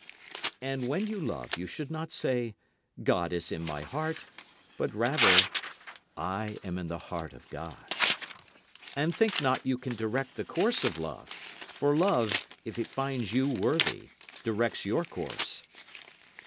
When you love you should not say, "God is in my heart," but rather, "I am in the heart of God." And think not you can direct the course of love, for love, if it finds you worthy, directs your course.